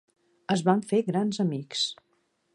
Es van fer grans amics.